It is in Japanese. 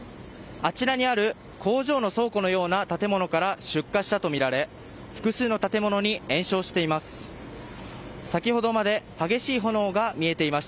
あちらにある工場の倉庫のような建物から出火したとみられ複数の建物に延焼しています。